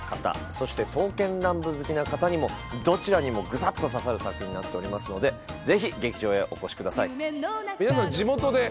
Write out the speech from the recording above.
そして『刀剣乱舞』好きな方にもどちらにもぐさっと刺さる作品になっておりますのでぜひ劇場へお越しください。